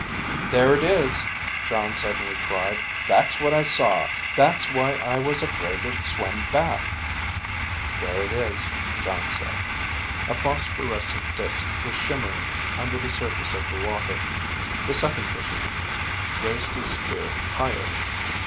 "There it is," Jon suddenly cried. "That's what I saw. That's why I was afraid to swim back." (There it is, Jon said.) A phosphorescent disk was shimmering under the surface of the water. The Second Fisherman raised his spear higher.